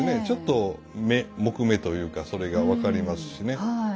ちょっと木目というかそれが分かりますしね。